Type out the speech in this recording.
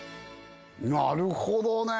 なるほどね！